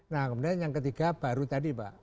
nah kemudian yang ketiga baru tadi pak